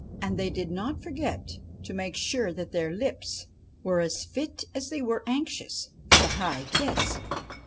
And they did not forget to make sure that their lips were as fit as they were anxious for the ' high kiss.'